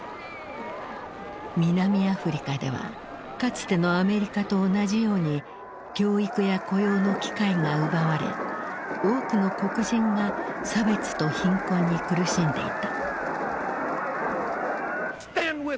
南アフリカではかつてのアメリカと同じように教育や雇用の機会が奪われ多くの黒人が差別と貧困に苦しんでいた。